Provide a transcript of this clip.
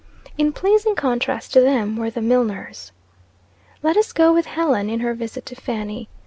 In pleasing contrast to them were the Milnors. Let us go with Helen in her visit to Fanny.